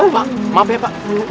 pak maaf ya pak